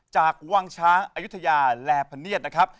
จากวังช้างอายุทยาแลพะเนียดนะครับ